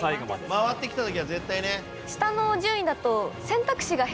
回ってきた時は絶対ね。